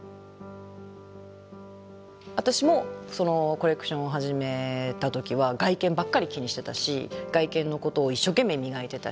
私もコレクションを始めた時は外見ばっかり気にしてたし外見のことを一生懸命磨いてたし。